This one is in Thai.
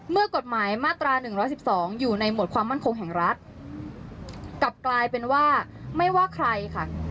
เมื่อกฎหมายมาตรา๑๑๒อยู่ในหวดความมั่นคงแห่งรัฐกลับกลายเป็นว่าไม่ว่าใครค่ะ